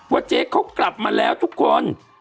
ว่าเจ๊ก็ออกมาลงทุกคน